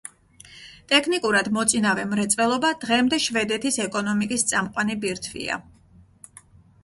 ტექნიკურად მოწინავე მრეწველობა დღემდე შვედეთის ეკონომიკის წამყვანი ბირთვია.